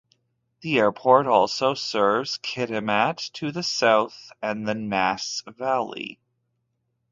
The airport also serves Kitimat, to the south, and the Nass Valley.